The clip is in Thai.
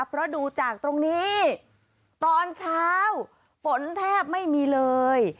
เพราะดูจากตรงนี้ตอนเช้าฝนแทบไม่มีเลย